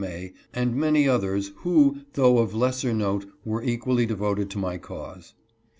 May, and many others, who though of lesser note were equally devoted to my cause.